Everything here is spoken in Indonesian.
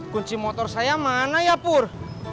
kunci motor saya mana ya pur